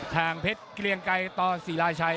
ทางเพชรเกลียงไกรต่อสีราชัย